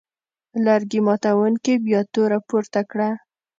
لرګي ماتوونکي بیا توره پورته کړه.